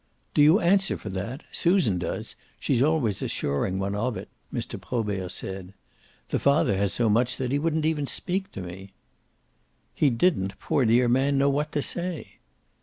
"Do you answer for that? Susan does; she's always assuring one of it," Mr. Probert said. "The father has so much that he wouldn't even speak to me." "He didn't, poor dear man, know what to say."